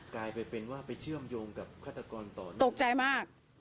กลายเป็นว่าไปเชื่อมโยงกับฆาตกรต่อเนื่องตกใจมาก